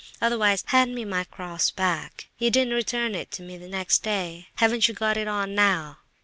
Otherwise, hand me my cross back again. You didn't return it to me next day. Haven't you got it on now?"